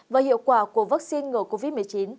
và hiệu quả của vaccine ngừa covid một mươi chín